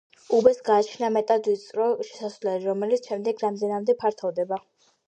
უბეს გააჩნია მეტად ვიწრო შესასვლელი, რომელიც შემდეგ რამდენადმე ფართოვდება.